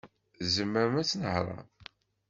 Tzemrem ad tnehṛem?